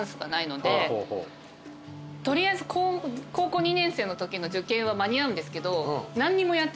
取りあえず高校２年生のときの受験は間に合うんですけど何にもやってないんです。